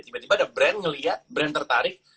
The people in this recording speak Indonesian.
tiba tiba ada brand ngeliat brand tertarik